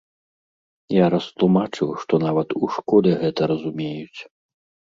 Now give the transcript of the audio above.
Я растлумачыў, што нават у школе гэта разумеюць.